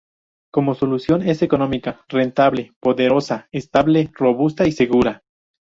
Como solución es económica, rentable, poderosa, estable, robusta y segura.